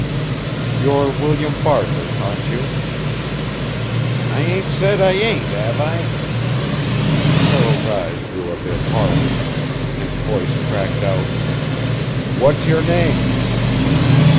"You're William Barker, aren't you?" "I ain't said I ain't, have I?" Carroll's eyes grew a bit harder. His voice cracked out: "What's your name?"